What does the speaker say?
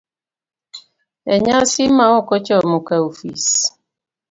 e nyasi ma ok ochomo ka ofis,